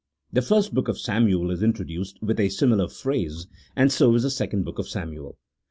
The first book of Samuel is introduced with a similar phrase ; and so is the second book of Samuel.